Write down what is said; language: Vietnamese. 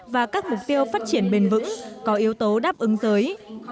và các mục tiêu phát triển bền vững có yếu tố đáp ứng giới